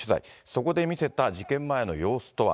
そこで見せた事件前の様子とは。